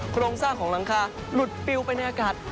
โครงสร้างของหลังคาหลุดปิวไปในอากาศ